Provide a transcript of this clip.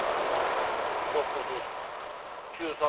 学校どうするの？